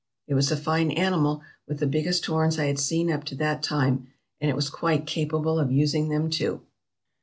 It was a fine animal, with the biggest horns I had seen up to that time; and it was quite capable of using them too."